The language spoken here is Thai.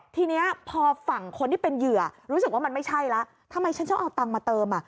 ทีนี้พอฝั่งคนที่เป็นเหยื่อรู้สึกว่ามันไม่ใช่แล้วทำไมฉันต้องเอาตังค์มาเติมอ่ะ